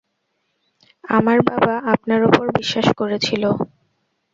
আমার বাবা আপনার ওপর বিশ্বাস করেছিল।